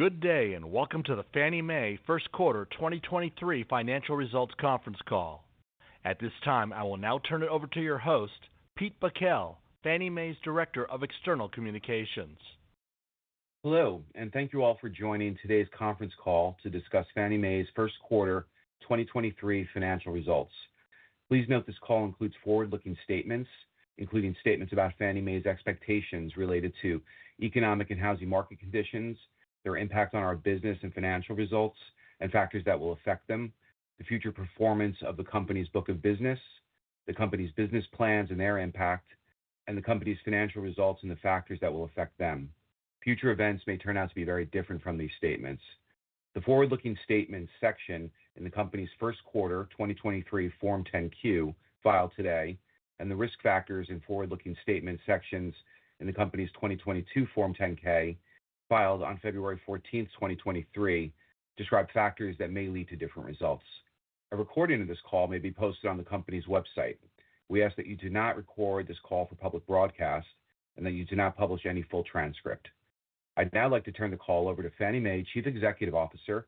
Good day. Welcome to the Fannie Mae First Quarter 2023 Financial Results Conference Call. At this time, I will now turn it over to your host, Pete Bakel, Fannie Mae's Director of External Communications. Hello, and thank you all for joining today's conference call to discuss Fannie Mae's First Quarter 2023 Financial Results. Please note this call includes forward-looking statements, including statements about Fannie Mae's expectations related to economic and housing market conditions, their impact on our business and financial results, and factors that will affect them, the future performance of the company's book of business, the company's business plans and their impact, and the company's financial results and the factors that will affect them. Future events may turn out to be very different from these statements. The forward-looking statements section in the company's first quarter 2023 Form 10-Q filed today and the risk factors in forward-looking statement sections in the company's 2022 Form 10-K filed on February fourteenth, 2023 describe factors that may lead to different results. A recording of this call may be posted on the company's website. We ask that you do not record this call for public broadcast and that you do not publish any full transcript. I'd now like to turn the call over to Fannie Mae Chief Executive Officer,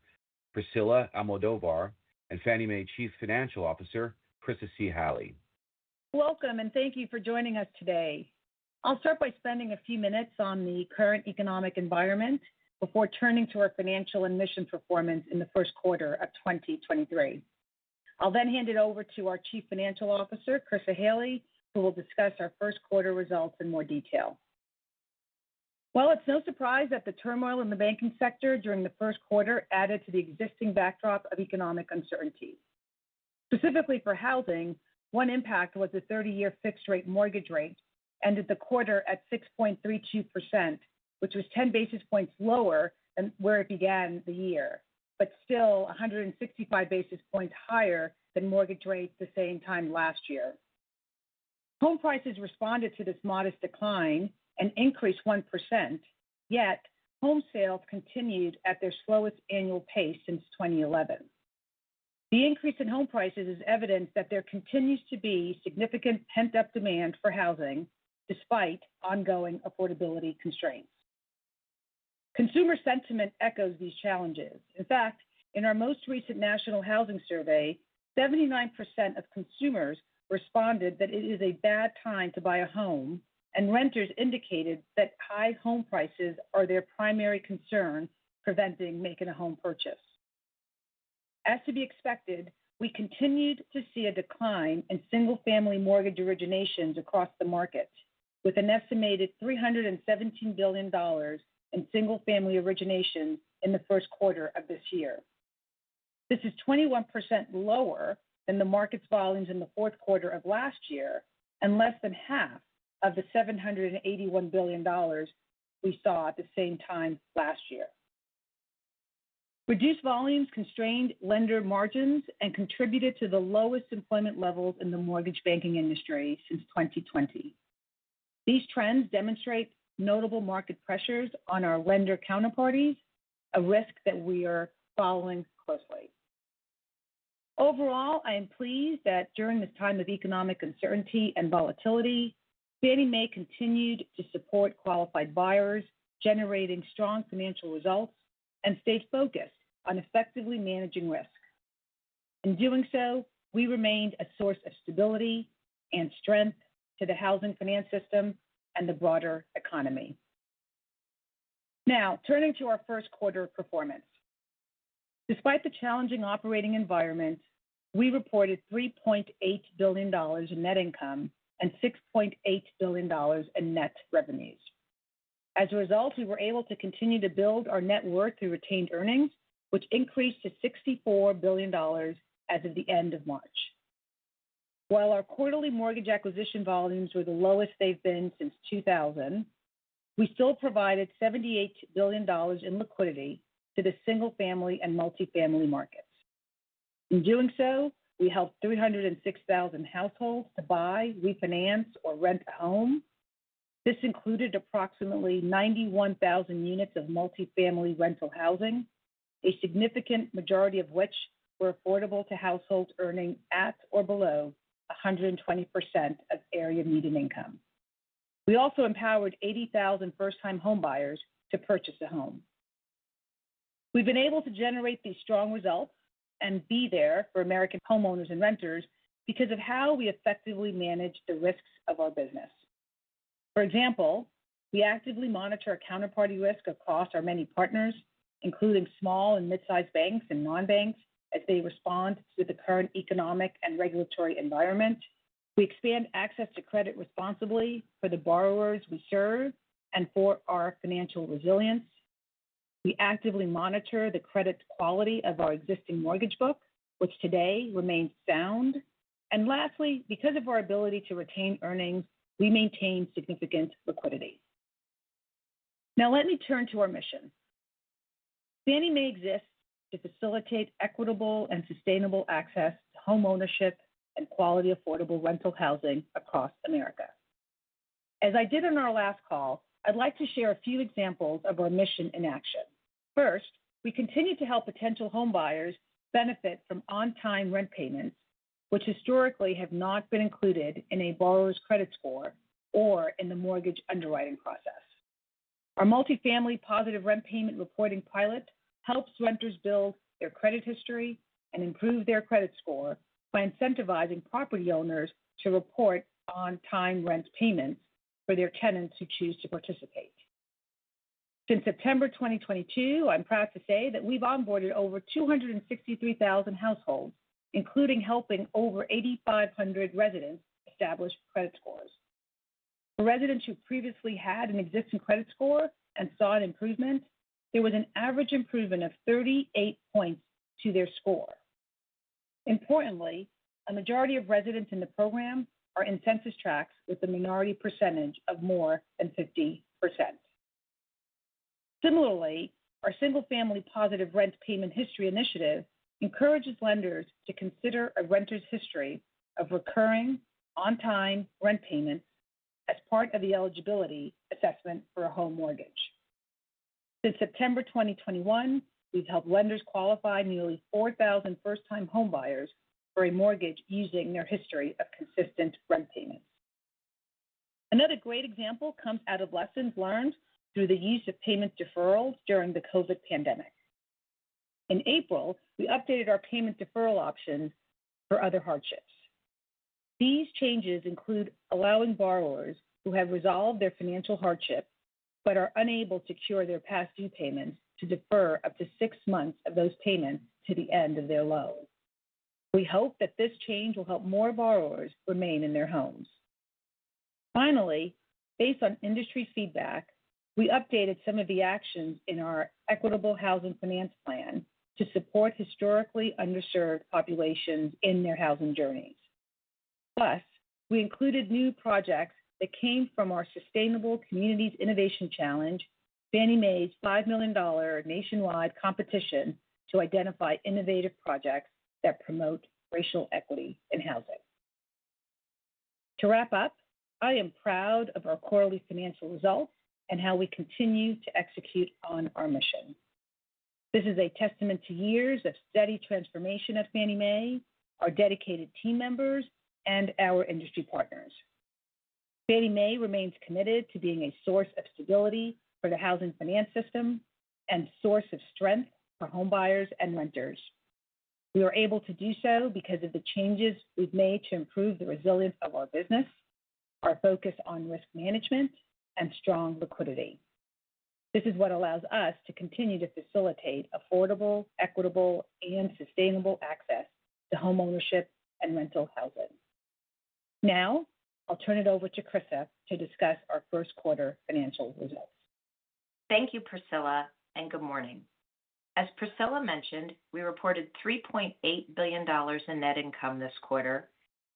Priscilla Almodovar, and Fannie Mae Chief Financial Officer, Chryssa C. Halley. Welcome. Thank you for joining us today. I'll start by spending a few minutes on the current economic environment before turning to our financial and mission performance in the first quarter of 2023. I'll hand it over to our Chief Financial Officer, Chryssa C. Halley, who will discuss our first quarter results in more detail. While it's no surprise that the turmoil in the banking sector during the first quarter added to the existing backdrop of economic uncertainty. Specifically for housing, one impact was the 30-year fixed-rate mortgage rate ended the quarter at 6.32%, which was 10 basis points lower than where it began the year, but still 165 basis points higher than mortgage rates the same time last year. Home prices responded to this modest decline and increased 1%, yet home sales continued at their slowest annual pace since 2011. The increase in home prices is evidence that there continues to be significant pent-up demand for housing despite ongoing affordability constraints. Consumer sentiment echoes these challenges. In fact, in our most recent National Housing Survey, 79% of consumers responded that it is a bad time to buy a home, and renters indicated that high home prices are their primary concern preventing making a home purchase. As to be expected, we continued to see a decline in single-family mortgage originations across the market with an estimated $317 billion in single-family originations in the first quarter of this year. This is 21% lower than the market's volumes in the fourth quarter of last year and less than half of the $781 billion we saw at the same time last year. Reduced volumes constrained lender margins and contributed to the lowest employment levels in the mortgage banking industry since 2020. These trends demonstrate notable market pressures on our lender counterparties, a risk that we are following closely. I am pleased that during this time of economic uncertainty and volatility, Fannie Mae continued to support qualified buyers, generating strong financial results and stayed focused on effectively managing risk. In doing so, we remained a source of stability and strength to the housing finance system and the broader economy. Turning to our first quarter performance. Despite the challenging operating environment, we reported $3.8 billion in net income and $6.8 billion in net revenues. As a result, we were able to continue to build our net worth through retained earnings, which increased to $64 billion as of the end of March. While our quarterly mortgage acquisition volumes were the lowest they've been since 2000, we still provided $78 billion in liquidity to the single-family and multifamily markets. In doing so, we helped 306,000 households to buy, refinance, or rent a home. This included approximately 91,000 units of multifamily rental housing, a significant majority of which were affordable to households earning at or below 120% of area median income. We also empowered 80,000 first-time homebuyers to purchase a home. We've been able to generate these strong results and be there for American homeowners and renters because of how we effectively manage the risks of our business. For example, we actively monitor counterparty risk across our many partners, including small and mid-sized banks and non-banks, as they respond to the current economic and regulatory environment. We expand access to credit responsibly for the borrowers we serve and for our financial resilience. We actively monitor the credit quality of our existing mortgage book, which today remains sound. Lastly, because of our ability to retain earnings, we maintain significant liquidity. Now let me turn to our mission. Fannie Mae exists to facilitate equitable and sustainable access to homeownership and quality affordable rental housing across America. As I did on our last call, I'd like to share a few examples of our mission in action. First, we continue to help potential homebuyers benefit from on-time rent payments, which historically have not been included in a borrower's credit score or in the mortgage underwriting process. Our Positive Rent Payment Reporting pilot helps renters build their credit history and improve their credit score by incentivizing property owners to report on-time rent payments for their tenants who choose to participate. Since September 2022, I'm proud to say that we've onboarded over 263,000 households, including helping over 8,500 residents establish credit scores. For residents who previously had an existing credit score and saw an improvement, there was an average improvement of 38 points to their score. Importantly, a majority of residents in the program are in census tracts with a minority percentage of more than 50%. Similarly, our single-family Positive Rent Payment History initiative encourages lenders to consider a renter's history of recurring on-time rent payments as part of the eligibility assessment for a home mortgage. Since September 2021, we've helped lenders qualify nearly 4,000 first-time homebuyers for a mortgage using their history of consistent rent payments. Another great example comes out of lessons learned through the use of payment deferrals during the COVID pandemic. In April, we updated our payment deferral options for other hardships. These changes include allowing borrowers who have resolved their financial hardship but are unable to cure their past due payments to defer up to six months of those payments to the end of their loan. We hope that this change will help more borrowers remain in their homes. Based on industry feedback, we updated some of the actions in our Equitable Housing Finance Plan to support historically underserved populations in their housing journeys. We included new projects that came from our Sustainable Communities Innovation Challenge, Fannie Mae's $5 million nationwide competition to identify innovative projects that promote racial equity in housing. I am proud of our quarterly financial results and how we continue to execute on our mission. This is a testament to years of steady transformation at Fannie Mae, our dedicated team members, and our industry partners. Fannie Mae remains committed to being a source of stability for the housing finance system and source of strength for homebuyers and renters. We are able to do so because of the changes we've made to improve the resilience of our business, our focus on risk management, and strong liquidity. This is what allows us to continue to facilitate affordable, equitable, and sustainable access to homeownership and rental housing. I'll turn it over to Chryssa to discuss our first quarter financial results. Thank you, Priscilla, and good morning. As Priscilla mentioned, we reported $3.8 billion in net income this quarter,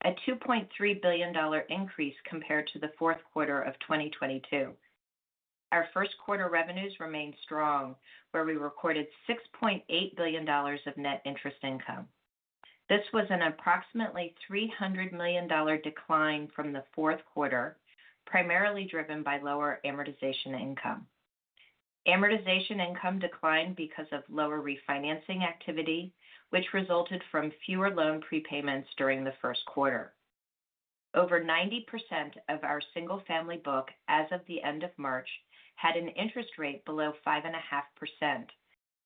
a $2.3 billion increase compared to the fourth quarter of 2022. Our first quarter revenues remained strong, where we recorded $6.8 billion of net interest income. This was an approximately $300 million decline from the fourth quarter, primarily driven by lower amortization income. Amortization income declined because of lower refinancing activity, which resulted from fewer loan prepayments during the first quarter. Over 90% of our single-family book as of the end of March had an interest rate below 5.5%,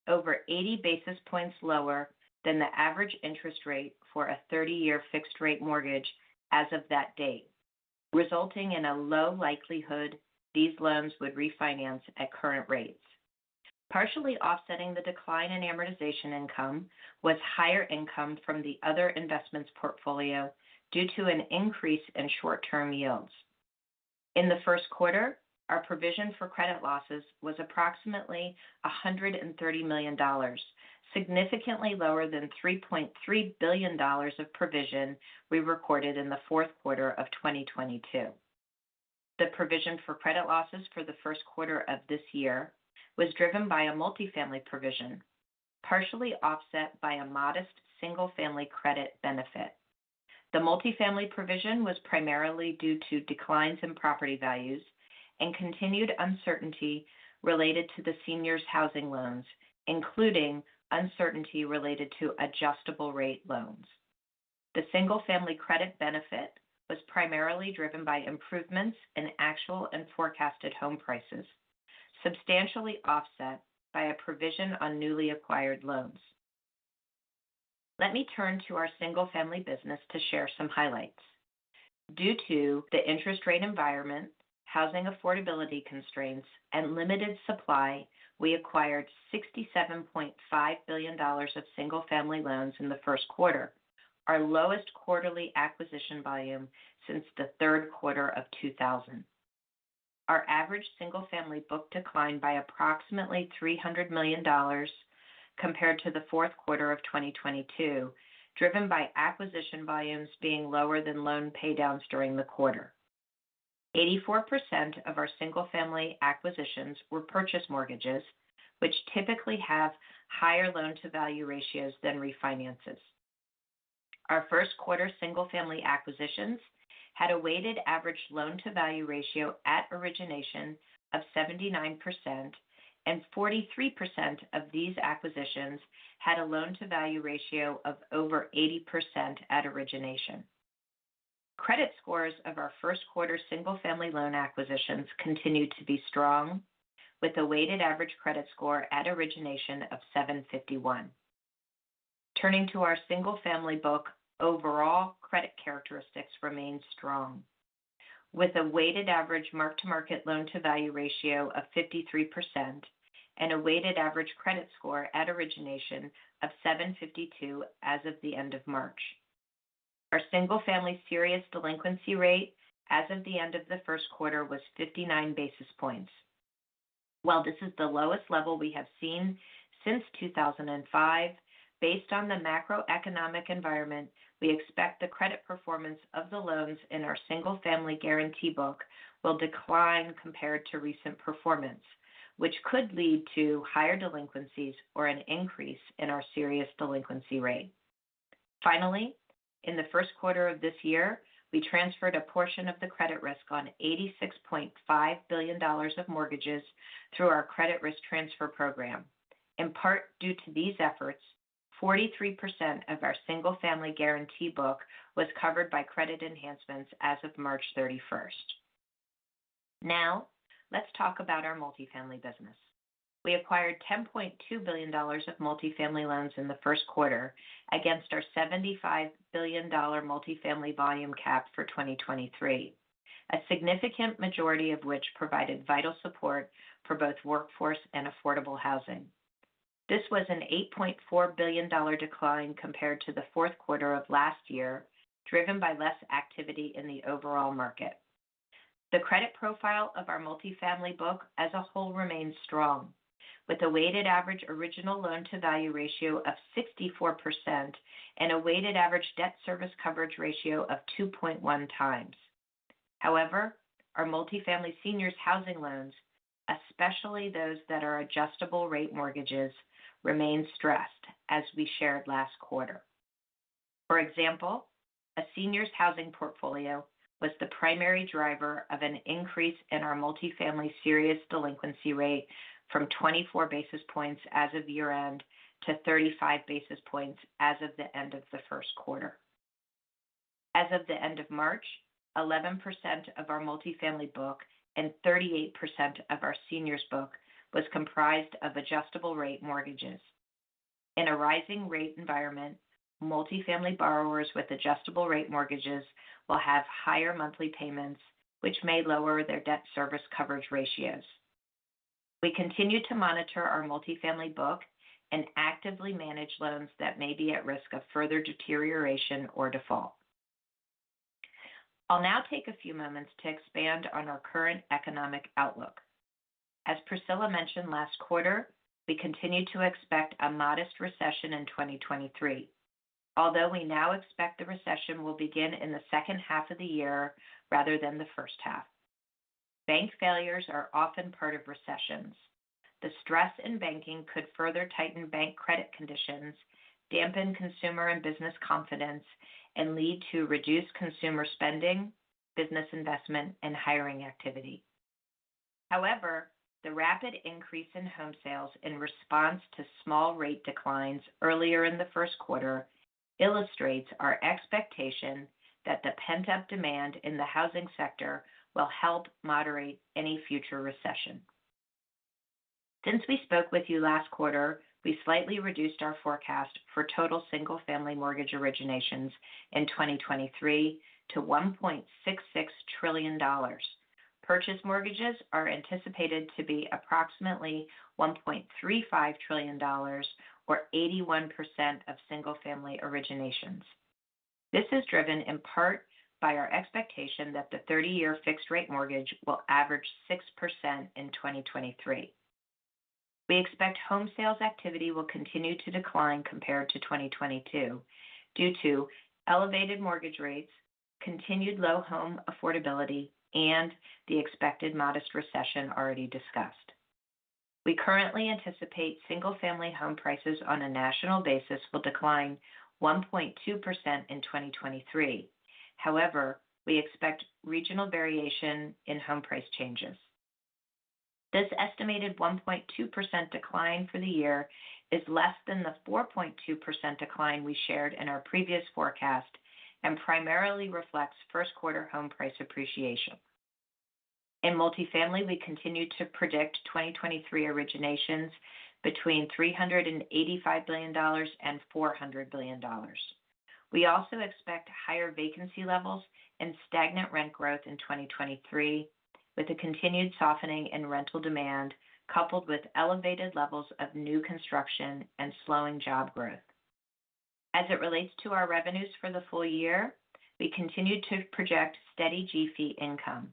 over 80 basis points lower than the average interest rate for a 30-year fixed-rate mortgage as of that date, resulting in a low likelihood these loans would refinance at current rates. Partially offsetting the decline in amortization income was higher income from the other investments portfolio due to an increase in short-term yields. In the first quarter, our provision for credit losses was approximately $130 million, significantly lower than $3.3 billion of provision we recorded in the fourth quarter of 2022. The provision for credit losses for the first quarter of this year was driven by a multifamily provision, partially offset by a modest single-family credit benefit. The multifamily provision was primarily due to declines in property values and continued uncertainty related to the Seniors Housing loans, including uncertainty related to adjustable-rate loans. The single-family credit benefit was primarily driven by improvements in actual and forecasted home prices, substantially offset by a provision on newly acquired loans. Let me turn to our single-family business to share some highlights. Due to the interest rate environment, housing affordability constraints, and limited supply, we acquired $67.5 billion of single-family loans in the first quarter, our lowest quarterly acquisition volume since the third quarter of 2000. Our average single-family book declined by approximately $300 million compared to the fourth quarter of 2022, driven by acquisition volumes being lower than loan paydowns during the quarter. 84% of our single-family acquisitions were purchase mortgages, which typically have higher loan-to-value ratios than refinances. Our first quarter single-family acquisitions had a weighted average loan-to-value ratio at origination of 79% and 43% of these acquisitions had a loan-to-value ratio of over 80% at origination. Credit scores of our first quarter single-family loan acquisitions continued to be strong, with a weighted average credit score at origination of 751. Turning to our single-family book, overall credit characteristics remain strong, with a weighted average mark-to-market loan-to-value ratio of 53% and a weighted average credit score at origination of 752 as of the end of March. Our single-family serious delinquency rate as of the end of the first quarter was 59 basis points. While this is the lowest level we have seen since 2005, based on the macroeconomic environment, we expect the credit performance of the loans in our single-family guarantee book will decline compared to recent performance, which could lead to higher delinquencies or an increase in our serious delinquency rate. In the first quarter of this year, we transferred a portion of the credit risk on $86.5 billion of mortgages through our credit risk transfer program. In part, due to these efforts, 43% of our single-family guarantee book was covered by credit enhancements as of March 31st. Let's talk about our multifamily business. We acquired $10.2 billion of multifamily loans in the first quarter against our $75 billion multifamily volume cap for 2023. A significant majority of which provided vital support for both workforce and affordable housing. This was an $8.4 billion decline compared to the fourth quarter of last year, driven by less activity in the overall market. The credit profile of our multifamily book as a whole remains strong, with a weighted average original loan-to-value ratio of 64% and a weighted average debt service coverage ratio of 2.1x. Our multifamily Seniors Housing loans, especially those that are adjustable-rate mortgages, remain stressed, as we shared last quarter. For example, a Seniors Housing portfolio was the primary driver of an increase in our multifamily serious delinquency rate from 24 basis points as of year-end to 35 basis points as of the end of the first quarter. As of the end of March, 11% of our multifamily book and 38% of our seniors book was comprised of adjustable-rate mortgages. In a rising rate environment, multifamily borrowers with adjustable-rate mortgages will have higher monthly payments, which may lower their debt service coverage ratios. We continue to monitor our multifamily book and actively manage loans that may be at risk of further deterioration or default. I'll now take a few moments to expand on our current economic outlook. As Priscilla mentioned last quarter, we continue to expect a modest recession in 2023, although we now expect the recession will begin in the second half of the year rather than the first half. Bank failures are often part of recessions. The stress in banking could further tighten bank credit conditions, dampen consumer and business confidence, and lead to reduced consumer spending, business investment, and hiring activity. However, the rapid increase in home sales in response to small rate declines earlier in the first quarter illustrates our expectation that the pent-up demand in the housing sector will help moderate any future recession. Since we spoke with you last quarter, we slightly reduced our forecast for total single-family mortgage originations in 2023 to $1.66 trillion. Purchase mortgages are anticipated to be approximately $1.35 trillion, or 81% of single-family originations. This is driven in part by our expectation that the 30-year fixed-rate mortgage will average 6% in 2023. We expect home sales activity will continue to decline compared to 2022 due to elevated mortgage rates, continued low home affordability, and the expected modest recession already discussed. We currently anticipate single-family home prices on a national basis will decline 1.2% in 2023. We expect regional variation in home price changes. This estimated 1.2% decline for the year is less than the 4.2% decline we shared in our previous forecast and primarily reflects first quarter home price appreciation. In multifamily, we continue to predict 2023 originations between $385 billion and $400 billion. We also expect higher vacancy levels and stagnant rent growth in 2023, with a continued softening in rental demand coupled with elevated levels of new construction and slowing job growth. As it relates to our revenues for the full year, we continue to project steady GC income.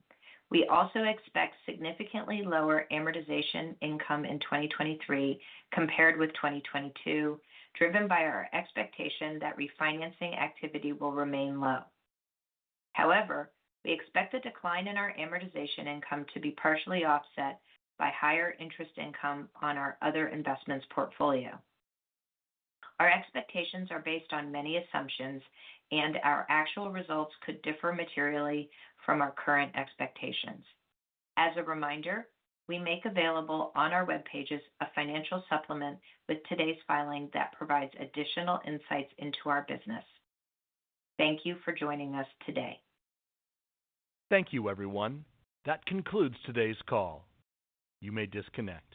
We also expect significantly lower amortization income in 2023 compared with 2022, driven by our expectation that refinancing activity will remain low. However, we expect the decline in our amortization income to be partially offset by higher interest income on our other investments portfolio. Our expectations are based on many assumptions, and our actual results could differ materially from our current expectations. As a reminder, we make available on our web pages a Financial Supplement with today's filing that provides additional insights into our business. Thank you for joining us today. Thank you everyone. That concludes today's call. You may disconnect.